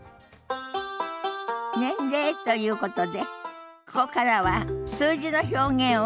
年齢ということでここからは数字の表現を覚えましょ。